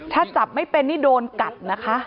ถ้าจับไม่เป็นนี่โดนกัดนะคะ